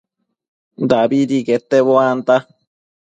dabidi quete buanta